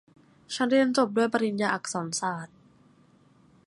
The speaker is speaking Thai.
ฉันเรียนจบด้วยปริญญาอักษรศาสตร์